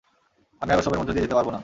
আমি আর ওসবের মধ্যে দিয়ে যেতে পারবো না।